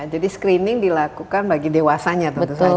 jadi screening dilakukan bagi dewasanya